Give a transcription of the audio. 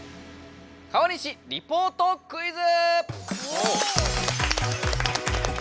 「川西リポートクイズ！」。